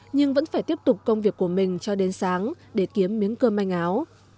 nhưng vẫn phải tiếp tục công việc của mình cho đến sáng để kiếm miếng cơm manh áo